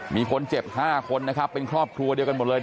มีคนเจ็บ๕คนนะครับเป็นครอบครัวเดียวกันหมดเลย